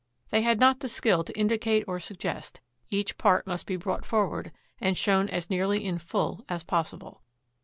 They had not the skill to indicate or suggest; each part must be brought forward and shown as nearly in full as possible.